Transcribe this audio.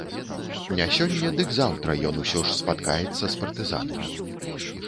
Не сёння, дык заўтра ён усё ж спаткаецца з партызанамі.